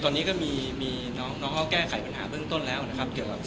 ตอนนี้สร้างเฉินก็มีแก้ไฟปัญหาเพิ่งต้นมาก